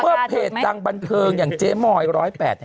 เพื่อเพจดังบันเทิงอย่างเจมอย๑๐๘เนี่ย